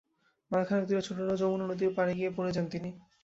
Mile খানেক দূরে ছোট যমুনা নদীর পাড়ে গিয়ে পড়ে যান তিনি।